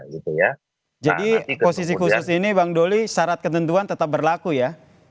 jadi posisi khusus ini bang dolly syarat ketentuan tetap berlaku ya